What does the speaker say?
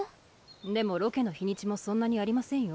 でもロケのひにちもそんなにありませんよ。